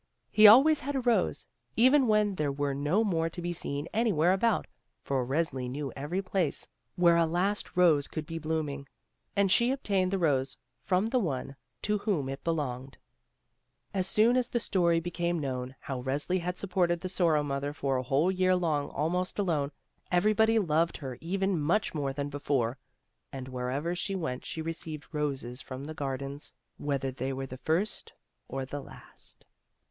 He always had a rose, even when there were no more to be seen anywhere about, for Resli knew every place where a last rose could be blooming, and she obtained the rose from the one to whom it belonged. 62 THE ROSE CHILD As soon as the story became known, how Resli had supported the Sorrow mother for a whole year long almost alone, everybody loved her even much more than before, and wherever she went she received roses from the gardens, whether they were the first or the last.